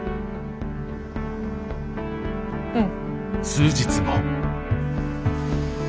うん。